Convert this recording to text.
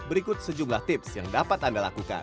berikut sejumlah tips yang dapat anda lakukan